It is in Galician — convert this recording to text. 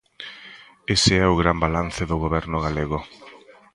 Ese é o gran balance do Goberno galego.